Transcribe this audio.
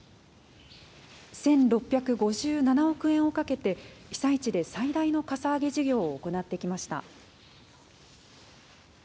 １６５７億円をかけて、被災地で最大のかさ上げ事業を行ってきました。